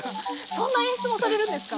そんな演出もされるんですか？